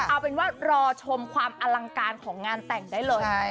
เอาเป็นว่ารอชมความอลังการของงานแต่งได้เลย